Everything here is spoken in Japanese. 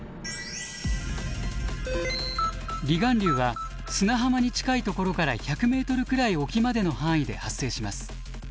離岸流は砂浜に近い所から１００ｍくらい沖までの範囲で発生します。